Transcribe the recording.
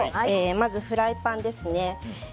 まずフライパンですね。